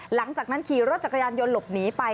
หลังจากนั้นขี่รถจักรยานยนต์หลบหนีไป